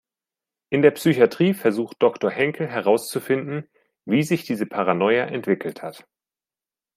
In der Psychatrie versucht Doktor Henkel herauszufinden, wie sich diese Paranoia entwickelt hat.